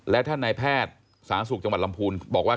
และท่านนายแพทย์สหรัฐศูนย์จังหวัดลำพูลบอกว่า